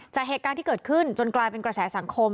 เหตุการณ์ที่เกิดขึ้นจนกลายเป็นกระแสสังคม